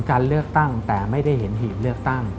การเลือกตั้งแต่ไม่ได้เห็นหีบเลือกตั้ง